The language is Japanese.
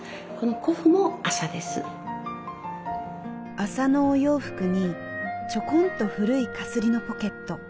麻のお洋服にちょこんと古い絣のポケット。